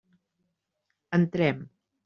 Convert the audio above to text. Entrem.